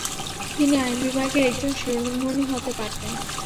তিনি আইনবিভাগের একজন শিরোমণি হতে পারতেন।